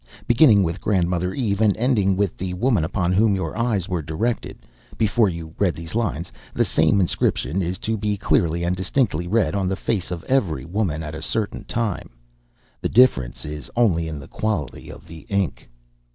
Beginning with Grandmother Eve and ending with the woman upon whom your eyes were directed before you read these lines the same inscription is to be clearly and distinctly read on the face of every woman at a certain time. The difference is only in the quality of the ink.